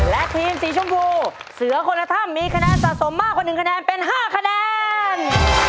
และทีมสีชมพูเสือคนละถ้ำมีคะแนนสะสมมากกว่า๑คะแนนเป็น๕คะแนน